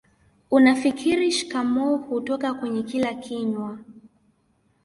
unafikiri shikamoo hutoka kwenye kila kinywa